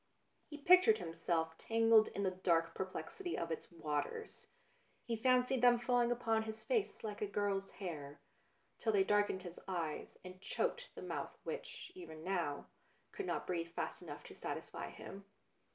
He pictured himself tangled in the dark perplexity of its waters, he fancied them falling upon his face like a girl's hair, till they darkened his eyes and choked the mouth which, even now, could not breathe fast enough to satisfy him.